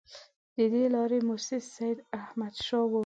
د دې لارې مؤسس سیداحمدشاه وو.